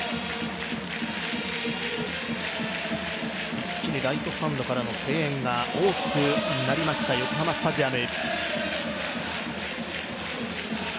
一気にライトスタンドからの声援が大きくなりました横浜スタジアム。